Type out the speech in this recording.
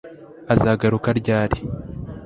Azagaruka ryari